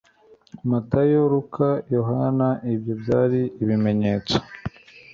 matayo luka yohana ibyo byari ibimenyetso